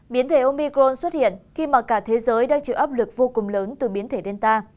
biến thể omicron xuất hiện khi mà cả thế giới đang chịu áp lực vô cùng lớn từ biến thể delta